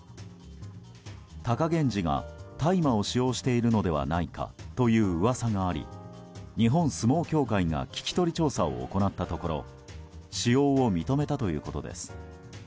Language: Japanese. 貴源治が大麻を使用しているのではないかといううわさがあり日本相撲協会が聞き取り調査を行ったところ使用を認めたということです。